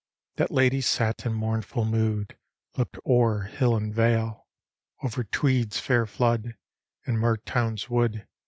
That lady sat in mournful mood ; Look'd o'er hill and vale; Over Tweed's fair flood, and Mertoun's wood.